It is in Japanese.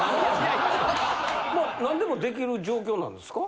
何でもできる状況なんですか？